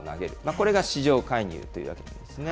これが市場介入というわけなんですね。